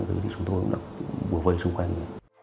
chúng tôi cũng đã bùa vây xung quanh